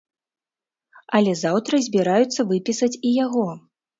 Але заўтра збіраюцца выпісаць і яго.